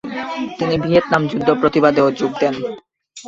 তিনি ভিয়েতনাম যুদ্ধ প্রতিবাদেও যোগ দেন।